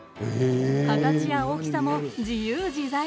形や大きさも自由自在。